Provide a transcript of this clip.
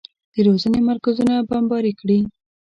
د روزنې مرکزونه بمباري کړي.